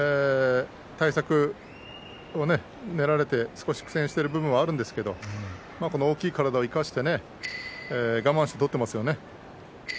対策を取られて少し苦戦している部分もありますけども大きな体を生かして我慢して取っていますね。